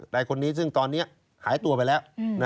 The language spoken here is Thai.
นายคนนี้ซึ่งตอนนี้หายตัวไปแล้ว